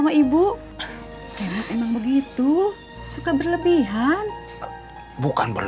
abang sudah mikir